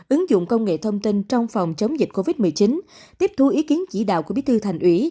ứng dụng công nghệ thông tin trong phòng chống dịch covid một mươi chín tiếp thu ý kiến chỉ đạo của bí thư thành ủy